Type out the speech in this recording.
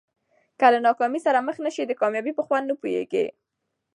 که له ناکامۍ سره مخ نه سې د کامیابۍ په خوند نه پوهېږې.